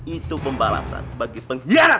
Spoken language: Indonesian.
itu pembalasan bagi pengkhianat